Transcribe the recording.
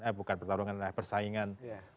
eh bukan pertarungan persaingan